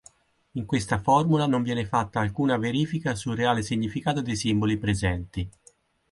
In questa formula non viene fatta alcuna verifica sul reale significato dei simboli presenti.